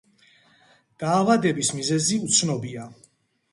დაავდების მიზეზი უცნობია.